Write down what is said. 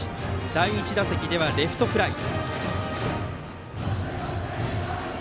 第１打席ではレフトフライ。